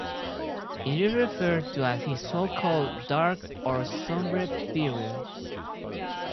It is referred to as his so-called dark or sombre period.